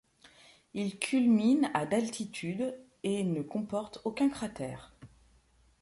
Il culmine à d'altitude et ne comporte aucun cratère.